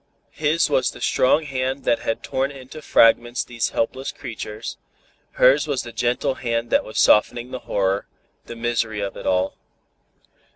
His was the strong hand that had torn into fragments these helpless creatures; hers was the gentle hand that was softening the horror, the misery of it all.